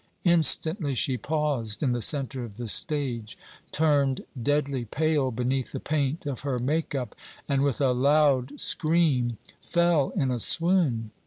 Instantly she paused in the centre of the stage, turned deadly pale beneath the paint of her make up, and, with a loud scream, fell in a swoon.